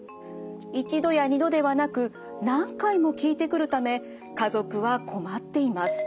１度や２度ではなく何回も聞いてくるため家族は困っています。